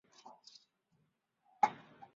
目前他们参加捷克足球乙级联赛的赛事。